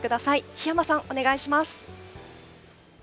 檜山さん、お願いします。